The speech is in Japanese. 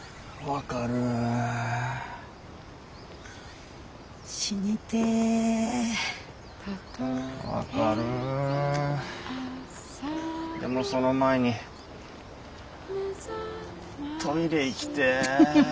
分かるでもその前にトイレ行きてえ。